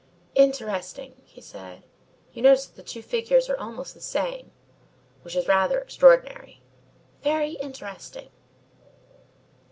Then: "Interesting," he said. "You notice that the two figures are almost the same which is rather extraordinary. Very interesting."